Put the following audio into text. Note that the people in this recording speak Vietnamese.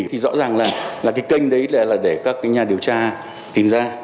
thì rõ ràng là cái kênh đấy là để các cái nhà điều tra tìm ra